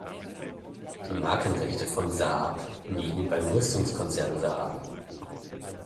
Die Markenrechte von Saab liegen beim Rüstungskonzern Saab.